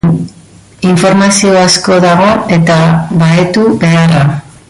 Informazio asko dago eta bahetu beharra.